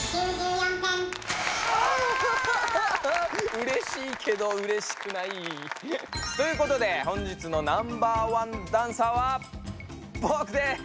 うれしいけどうれしくない。ということで本日のナンバーワンダンサーはぼくです！